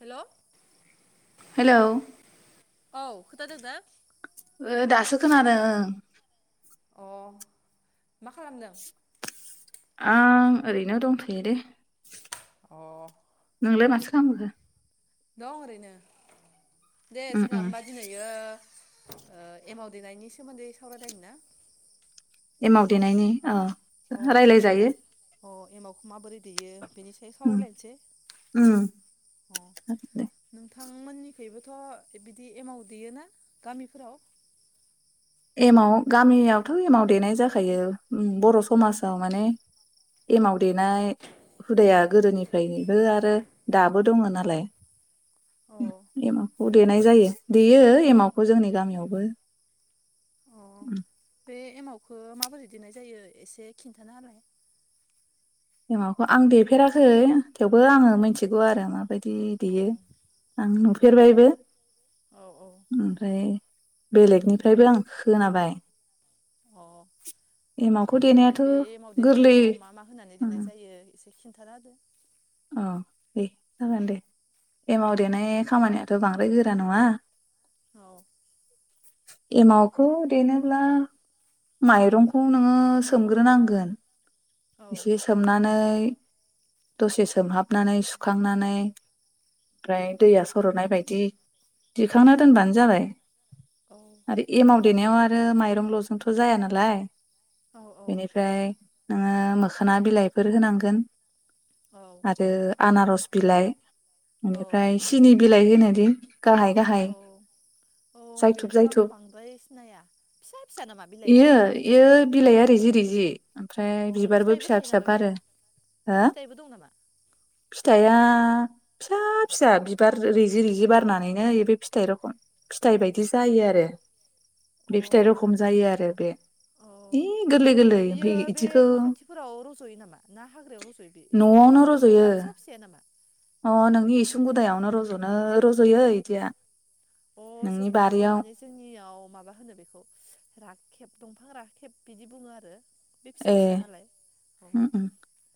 हेल' औ हेलौ औ खोथादों ना? ओ ओ दासो खोनादों ओं। अ मा खालामदों? आं ओरैनो दंथ'यो दे। अ नोंलाय माथो खालामखो? दं ओरैनो। दे उम जोंहा उम होमबा दिनैयो ओ एमाव देनायनि सोमोन्दै सावरायलायनो ना? एमाव देनायनि औ औ ओ रायलायजायो। अ एमावखौ माबोरै दैेयो बेनि साय उम सावरायलायनोसै उम अ दे नों नोंथांमोननिखैबोथ' बिदि एमाव देयोना गामिफोराव? एमाव गामियावथ' एमाव देनाय जाखायो ओम बर' समाजाव माने एमाव देनाय हुदाया गोदोनिफ्रायबो आरो दाबो दङ नालाय। अ ओम एमावखौ देनाय जायो देयो एमावखौ जोंनि गामियावबो। अ उम बे एमावखौ माबोरै देननाय जायो एसे खिन्थाना होलाय। एमावखौ आं देफेराखै थेवबो आङो मिथिगौ आरो माबाय दि अ देयो आं नु फेरबायबो। औ औ ओमफ्राय बेलेगनिफ्रायबो आं खोनाबाय। अ एमावखौ ओंथ' दे देनायाथ' बे गोरलै मावदेनायाव मा मा होनानै देनाय जायो एसे खिन्थाना होदो। अ दे जागोन दे एमाव देनाय खामानियाथ' बांद्राय गोरा नङा। औ एमावखौ देनोब्ला माइरंखौ नोङो सोमग्रोनांगोन। औ एसे सोमनानै दसे सोमहाबनानै सुखांनानै ओमफ्राय दैया सर'नाय बायदि दिखांना दोनबानो जाबाय। औ आरो एमाव देनायाव आरो माइरंल' जोथ' जाया नालाय बेनिफ्राय आङो मोखोना बिलाइफोर होनांगोन औ आरो आनारस बिलाय औ बेनिफ्राय सिनि बिलाइ होनो [unintelligible] गाहाय गाहाय औ औ जायथुब बेखौ आं जायथुब बांद्राय सिनाया फिसा फिसा नामा बिलाइआ इयो इयो बिलाइआ‌‌ रिजि रिजि ओमफ्राय ओमफ्राय अ बिबारबो फिथाइबो फिसा थायो फिसा नामा बारो बेयो हो फिथाइबो दं नामा फिथाइआ फिसा फिसा बिबार रिजि रिजि बारनानैनो एबो फिथाइ रखम फिथाइ बायदि जायो आरो अ बे फिथाइ रखम जायो आरो बे औ इ गोरलै गोरलै बियो ओमफाय बे न' खाथिफोराव रज'यो नामा ना हाग्रायाव रज'यो बे न' न'आवनो खाथियाव रज'ग्रा रज'यो फिसा फिसाया नामा? उखुम मुदायावनो रज'नो रज'यो ओय बिदिया अ जों बेखौ माने जोंनियाव माबा होनो बेखौ राखेब दंफां राखेब बिदि बुङो आरो बे फिसा ए फिसा नालाय औ ओम ओम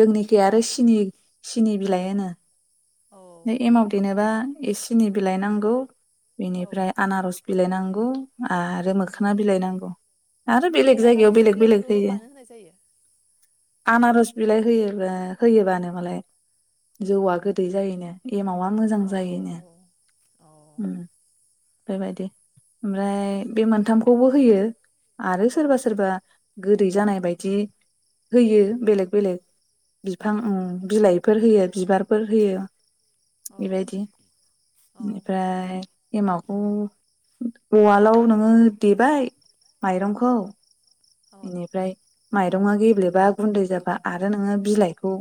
जोंनिखि आरो सिनि सिनि बिलाइ होनो औ बे एमाव देनोबा ए सिनि बिलाइ नांगौ औ बेनिफ्राय आनारस बिलायनांगौ आरो औ औ मोखोना बिलाइ नांगौ आरो बेलेग बे जायगायाव आनारस बेलेग बेलेग बिलाइखौ होयो मानो होनाय जायो आनारस बिलाइ होयो होयोबानो मालाय जौआ गोदै जायोनो एमावा मोजां अ जायोनो बेबायदि ओमफ्राय बे मोनथामखौबो होयो आरो सोरबा सोरबा गोदै जानाय बायदि होयो बेलेग बेलेक बिफां उम बिलाइफोर होयो बिबारफोर होयो बेबायदि ओमफ्राय एमाखौ उवालाव नोङो देबाय माइरंखौ इनिफ्राय माइरंङा गेब्लेबा गुन्दै जाबा आरो नोंङो बिलाइखौ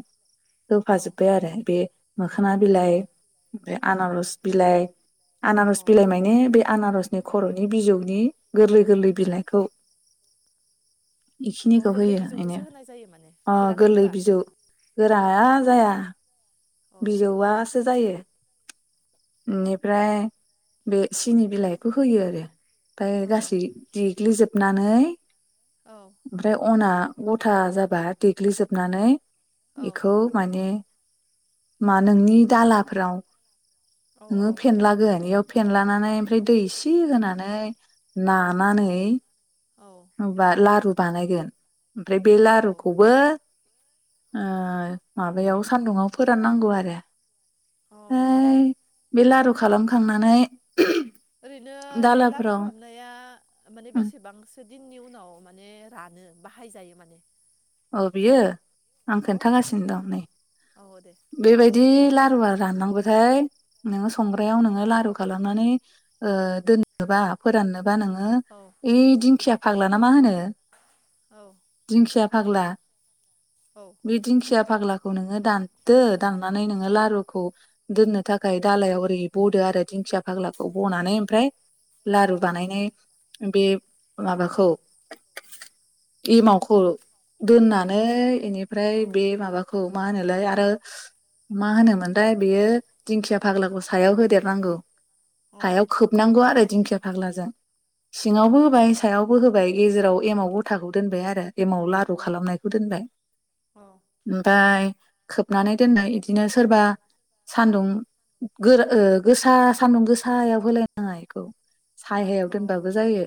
होफाजोब्बाय आरो बे मोखोना बिलाइ ओमफ्राय आनारस बिलाइ आनारस बिलाइ माने बे आनारसनि खर'नि बिजौनि गोरलै गोरलै बिलाइखौ इखिनिखौ गोरलै होयो एने बिजौखौसो होनाय जायो माने ओ गोराखौ गोरलै होआ बिजौ ग जाया जाया औ बिजौआसो जायो। बेनिफ्राय बे सिनि बिलाइखौ होयो आरो। ओमफ्राय औ गासै देग्लिजोबनानै औ ओमफ्राय अना गथा जाबा देग्लिजोबनानै औ बेखौ माने मा नोंनि दालाफ्राव औ नोंङो फेनलागोन बेयाव फेनलानानै ओमफ्राय दै इसि होनानै औ नानानै औ मबा लारु बानायगोन ओमफ्राय बे औ लारुखौबो ओ माबायाव सान्दुंङाव फोराननांगौ आरो औ ओफ्राय बे लारु खालामखांनानै ओरैनो बे लारु दालाफोराव खालामनाया माने बेसेबांसो दिननि उनाव माने रानो? बाहायजायो माने? अ बियो? आं औ खोन्थागासिनो दं नै औ दे बेबायदि ला लारुआ राननांगौथाय नो संग्रायाव नोंङो लारु खालामनानै ओ दोनबा फोरानो बा नोंङो औ ओइ दिंखिया औ फाग्ला ना मा होनो औ दिंखिया फाग्ला औ बे दिंखिया फाग्ला खौ नोंङो दानदो दाननानै नोंङो लारुखौ दोननो थाखाय दालायाव ओरै बदो आरो दिंखिया फाग्लाखौ बनानै ओमफ्राय लारु बानायनाय बे माबाखौ एमावखौ औ दोननानै इनिफ्राय बे माबाखौ खौ मा होनोलाय आरो मा होनोमोनलाय बेयो दिंखिया फाग्लाखौ सायाव होदेरनांगौ औ सायाव खोबनांगौ आरो दिंखिया फाग्लाजों। सिङावबो औ होबाय सायाव बो होबाय गेजेराव एमाव गथाखौ दोनबाय आरो एमावार लारु फथ' औ खालामनायखौ दोनबाय ओमफ्राय खोबनानै दोननाय बिदिनो सोरबा सानदुं गो गोसा सानदुं गोसायाव होलायनाङा इखौ। सायायाव औ औ दोनबाबो जायो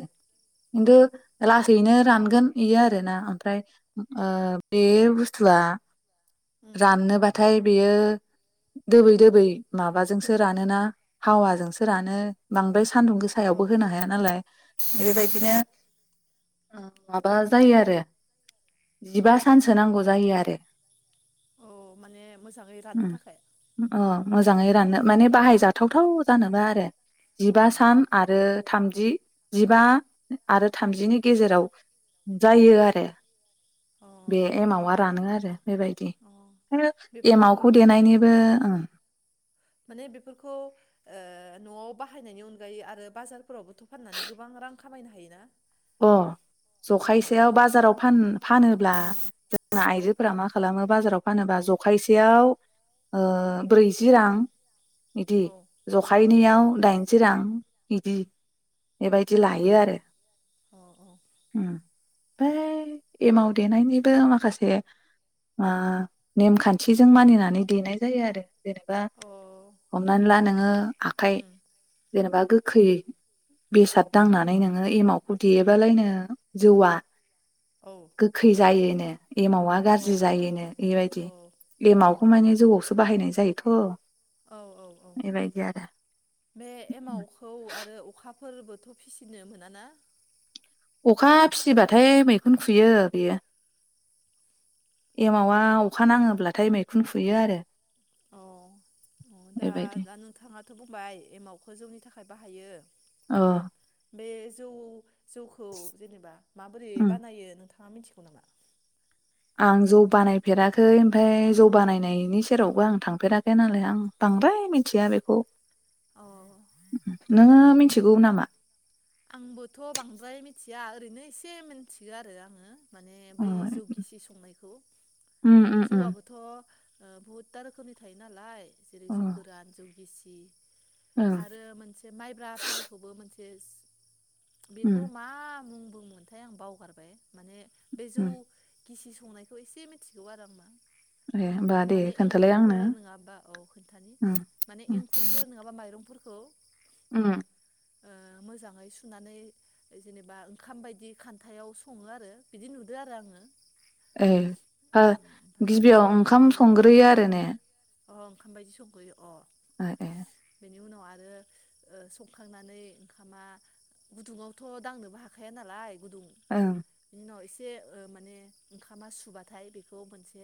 औ खिन्थु ला थैनो रानगोन बेयो आर ना ओमफ्राय ओ बे बुस्थुआ उम राननो बाथा [inaudible] बेयो दोबै दोबै माबाजोंसो रानोना हावाजोंसो रानो बांद्राय सान्दुं गोसायावबो औ होनो हाया नालाय औ बिबायदिनो माबा जायो आरो। जिबा सानसो नांगौ जायो आरो औ माने मोजाङै राननो उम थाखाय अ मोजाङै राननो माने बाहायजाथ थावथाव जानोबा आरो जिबा अ सान आरो। थामजि जिबा आरो थामजिनि गेजेराव जायो आरो। अ बे एमावा रानो आरो। बेबायदि अ बेफोरखौ एमावखौ देनायनिबो ओं। माने बेफोरखौ ओ न'आव बाहायनायनि अनगायै आरो बाजारफोरावबोथ' फाननानै गोबां रां खामायनो हायोना। अ अ जखायसेयाव बाजाराव फान फानोब्ला जोंना औ आइजोफोरा मा खालामो बाजाराव फानोबा जखायसेयाव ओ ब्रैजि रां बिदि औ औ जखायनियाव दाइनजि रां बिदि बेबायदि औ लायो आरो। औ उम बै एमाव देनायनिबो माखासे ओ नेमखान्थिजों मानिनानै देनाय जायो आरो जेनेबा औ हमनानै ला नोङो आखाइ उम जेनेबा गोखै बेसाद दांनानै नोङो एमाव बुदिदेबालायनो जौवआ। औ गोखै जायोनो एमावा औ गाज्रि औ जायोनो बेबायदि औ एमाव खौ माने जौआवसो बाहायनाय जायोथ'‌। औ औ औ बे एमावखौ आरो अखा फोरबोथ' फिसिनो मोना ना। अखा फिसिबाथाय मैखुन खुयो बेयो एमावा अखा नाङोब्लाथाय मैखुन खुयो आरो अ अ दा बेबायदि दा नोंथाङा' थ' बुंबाय एमावखौ जौनि थाखाय बाहायो। औ। [inaudible] जौखौ जेनेबा माबोरै उम बानायो नोंथां? नोंथांआ मिथिगौ नामा? [inaudible] आं जौ बानायफेराखै ओमफ्राय जौ बानायनायनि सेरावबो आं थांफेराखै नालाय आं बांद्राय मिथिया बेखौ। अ नोङो मिथि थिगौ नामा? आंबोथ' बांद्राय मिथिया ओरैनो एसे मिथिगौ आरो आङो। माने अ बै जौ गिसि संनायखौ उम उम उम जौआबोथ' बहुदथा रोखोमनि थायो नालाय। जेरै अ जौ गोरान जौ गिसि। ओं आरो मोनसे माइब्राफोरखौबो मोनसे [inaudible] बेखौ उम मा मुं बुङोमोनथाय आं बावगारबाय माने बे जौ। उम गिसि संनायखौ एसे मिथिगौ आरो ए होमबा दे माने खोन्थालाय आंनो एंखुरफोर नङाबा औ खोनथानि उम माने उम एंखुरफोर नङाबा माइरं औ। उम। मोजाङै सुनानै जेनेबा ओंखाम बायदि खान्थायाव सङो आरो बिदि नुदों आरो आङो। ए ओमफ्राय गिबियाव ओंखाम संनानै संग्रोयो आरो ने। अ ओंखाम बायदि संग्रोयो अ। ए ए। बिनि उनाव आरो संखांनानै ओंखामा गुदुङावथ' दांनोबो हाखाया नालाय गुदुं उम। बिनि उनाव एसे माने ओंखामा सुबाथाय बेखौ मोनसे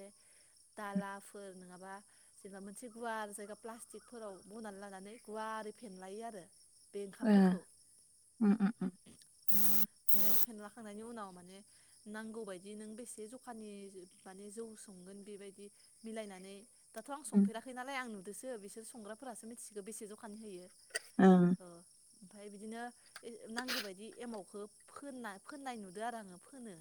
दालाफोर नङाबा जेनेबा मोनसे गुवार जायगा प्लास्टिकफोराव बनानै लानानै गुवारै फेनलायो आरो। बे ओ ओंखामफोरखौ। उम उम उम ओमफ्राय फेनला खांनानै उनाव माने नांगौ बायदि नों बेसे जखा माने जौ संगोन बेबायदि मिलायनानै दाथ' आं उम संफेराखै नालाय आं बिसोर संग्राफोरासो मिथिसिगौ बेसे जखा फानहैयो। ओं ओमफ्राय बिदिनो। नांगौ बायदि एमावखौ फोन-फोननाय नुदों आरो आंङो फोनो।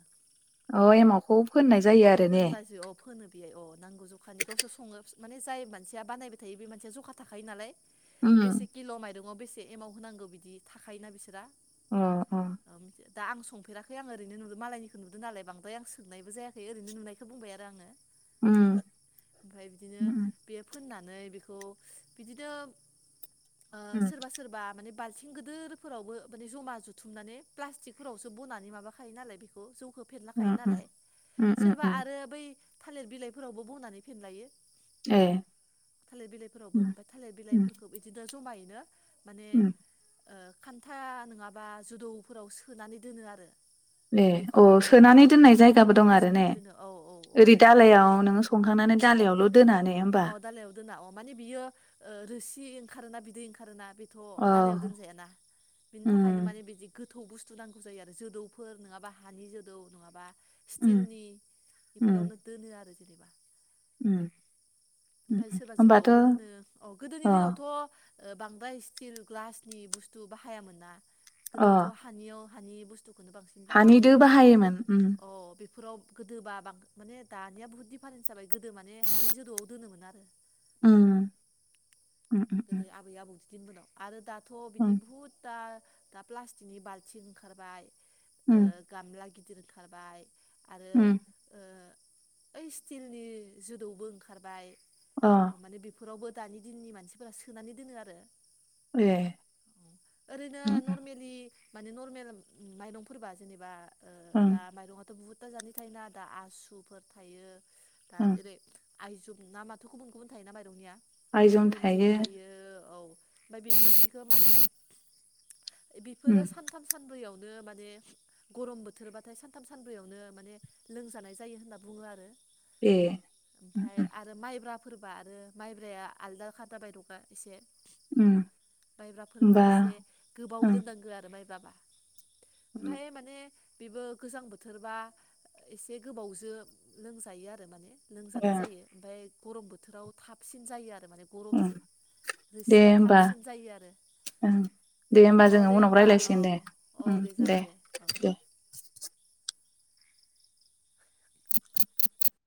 अ एमावखौ फोननाय औ जायो आरो ने। फोनलाजो औ फोनो बेवहाय अ। नांगौ जखानि गावसोर सङो माने जाय मानसिया बानायबाय थायो बे मानसिया जखा थाखायो नालाय उम बेसे किल माइरु ङआव बेसे एमाव होनांगौ बिदि थाखायोना बिसो रा अ अ दा आं संफेराखै आं ओरैनो नुदो मालायनिखौ नुदों नालाय बांद्राय आ सोंनायबो जायाखै ओरैनो नुनायखौ बुंबाय आरो आंङो उम ओमफाय बिदिनो उम बे फोनना नै बेखौ बिदिनो ओ उम उम सोरबा सोरबा माने बालथिं गोदोर फोरावबो माने ज'मा जुथुमनानै प्लास्टिकफोरावसो बनानै माबाखायो नालाय बेखौ जौखो फेरलाखायो उम नालाय उम उम सोरबा उम आरो बै थालिर बिलाइफोरावबो बनानै फेनलायो ए थालिर बिलाइफोरावबो उम ओमफाय थालिर उम बिलाइफोरखो इदिनो जमाय नो माने उम ओ खान्था नंङाबा जुदौफोराव सोनानै दोनो आरो दे अ बेखौ सोनानै दोननाय जायगाबो औ दं आरो ने सोनानै दोनो औ औ औ ओरै दालायाव नोंङो संखांनानै जालायावल अ दालायाव दोना अ माने बियो ओ रोसि ओंखारोना बिदै ओंखारोना बे थ दालायाव अ दोनजायाना बिनि थाखायनो उम माने बिदि गो थौ बुस्थु नांगौ जायो आरो जोदौफोर नंङाबा हानि जोदौ नङाबा उम स्टिलनि इफोरावनो दोनो आरो ओम ओमफाय सोरबा जोदौआवबो दोनो औ गोदोनि अ दिनावथ ओ बांद्राय स्टिल ग्लासनि बुस्थु बाहायामोन ना गोदोथ हानियाव हानि बुुस हानि दो बाहायोमोन ओम फोराव गोदो बा बां माने दानिया बुहुत दिफारेन्स जाबाय गोदो माने हानि जोदौआव दोनोमोन आरो ओम गोदो आबै आबौजों बिदि उनाव आरो दा थ' बिदि उम बहुदथा दा प्लास्टिकनि बाल्थिं ओंखारबाय ओ उम गामला गिथ गिदिर ओंखारबाय आरो उम ओ ओइ स्टिलनि जोदौबो ओंखारबाय अ माने बेफोरावबो दानि दिननि मानसिफो फोरा सोनानै दोनो आरो ए ओरैनो उम नर्मेलि माने नरमेल माइरंफोरबा जेनेबा ओ उम दा माइरंङाथ' बहुत क'क्राझारनि थायनो आदा आसुफोर थायो उम दाजेरै आइजोब ना माथ' गुबुन गुबुन थायोना माइरंनिया आइजन रनजित थायो थायो औ ओमफ्राय बेफोरदिखौ माने उम बेफोरो सानथाम सानब्रैयावनो नो माने गरम बोथोरबाथाय सानथाम सानब्रैयावनो माने लोंजानाय जायो होनना बुङो आरो। ए उम ओमफाय आरो माइब्रा फोरबा आरो माइब्राया आलदा खा जाबायदगा एसे उम माइब्राफोरबा होमबा एसे गोबाव उम दोननांगौ आरो माइब [unintelligible] उम ओमफाय माने बेबो गोजां बोथोरबा एसे गोबावजो लोंजायो आरो माने ओ लोंजानाय जायो ओमफाय गरम बोथोराव थाबसिन जायो आरो माने गरमजो उम दे रोसिया होमबा थाबसिन जायो आरो ओं दे होमबा अ जोङो दे उनाव होमबा औ रायज्लायसिगोन दे औ दे जागोन दे औ दे [inaudible]